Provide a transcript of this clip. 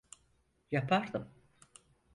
Yapardım.